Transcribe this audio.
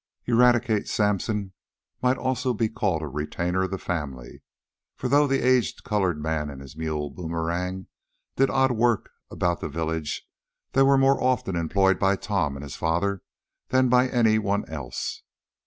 Eradicate Sampson might also be called a retainer of the family, for though the aged colored man and his mule Boomerang did odd work about the village, they were more often employed by Tom and his father than by any one else.